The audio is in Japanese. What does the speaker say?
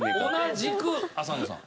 同じく浅野さん。